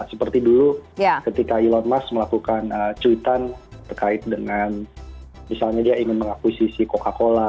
seperti dulu ketika elon musk melakukan cuitan terkait dengan misalnya dia ingin mengakuisisi coca cola